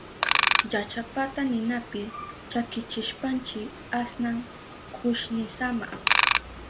Llachapata ninapi chakichishpanchi asnan kushnisama.